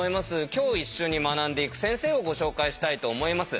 今日一緒に学んでいく先生をご紹介したいと思います。